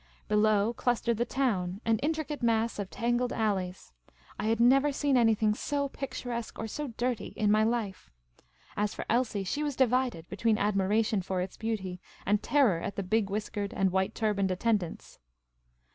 Below clustered the town, an intricate mass of tangled alleys. I had never seen anything so picturesque or so dirty in my life ; as for Elsie, she was divided between admiration for its beaut}' and terror at the big whiskered and white turbaned attendants.